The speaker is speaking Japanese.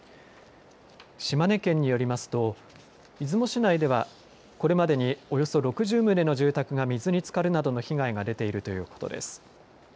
島根県によりますと、出雲市内では、これまでにおよそ６０棟の住宅が水につかるなどの被害が出ているということです。